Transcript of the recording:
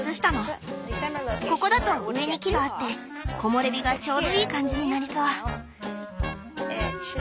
ここだと上に木があって木漏れ日がちょうどいい感じになりそう。